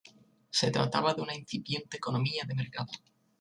Se trataba de una incipiente economía de mercado.